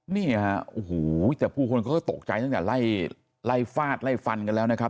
นี่ฮะโอ้โหแต่ผู้คนเขาก็ตกใจตั้งแต่ไล่ไล่ฟาดไล่ฟันกันแล้วนะครับ